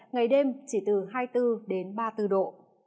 ngày đêm chỉ từ hai mươi bốn đến ba mươi bốn độ